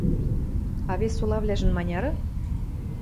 А вес солавлӓжӹн маняры?